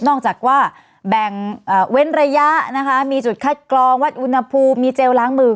จากว่าแบ่งเว้นระยะนะคะมีจุดคัดกรองวัดอุณหภูมิมีเจลล้างมือ